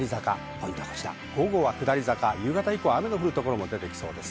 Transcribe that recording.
ポイントは午後は下り坂、夕方以降、雨の降るところも出てきそうです。